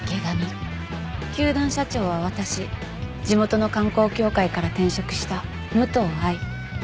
球団社長は私地元の観光協会から転職した武藤愛。